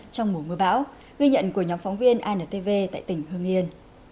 trong mùa mưa bão ghi nhận của nhóm phóng viên intv tại tỉnh hương yên